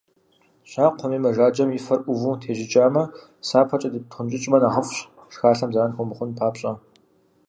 Щӏакхъуэм е мэжаджэм и фэр ӏуву тежьыкӏамэ, сапэкӏэ тептхъунщӏыкӏмэ нэхъыфӏщ, шхалъэм зэран хуэмыхъун папщӏэ.